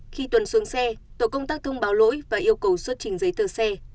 khi tuấn xuống xe tổ công tắc thông báo lỗi và yêu cầu xuất trình giấy tờ xe